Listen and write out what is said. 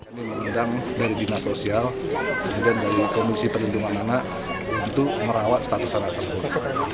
kami mengundang dari dinas sosial kemudian dari komisi perlindungan anak untuk merawat status anak tersebut